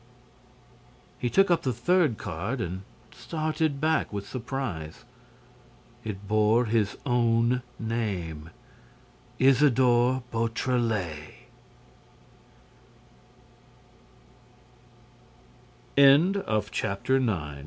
He took up the third card and started back with surprise. It bore his own name: "Isidore Beautrelet!" CHAPTER TEN THE